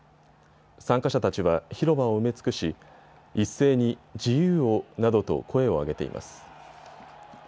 参加者たちは広場を埋め尽くし一斉に自由を！などと声を上げています。